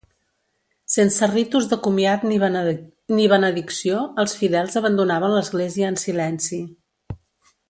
Sense ritus de comiat ni benedicció els fidels abandonaven l'església en silenci.